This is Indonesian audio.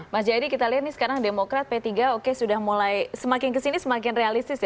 mas jayadi kita lihat nih sekarang demokrat p tiga oke sudah mulai semakin kesini semakin realistis ya